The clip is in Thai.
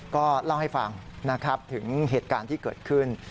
ก็เล่าให้ฟังนะครับถึงเหตุการณ์ที่เกิดขึ้น